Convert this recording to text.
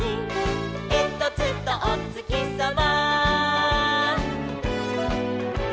「えんとつとおつきさま」